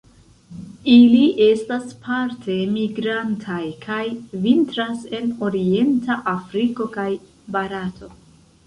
Ili estas parte migrantaj, kaj vintras en orienta Afriko kaj Barato.